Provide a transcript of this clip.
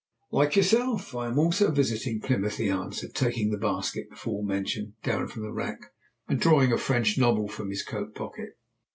"Like yourself, I am also visiting Plymouth," he answered, taking the basket, before mentioned, down from the rack, and drawing a French novel from his coat pocket.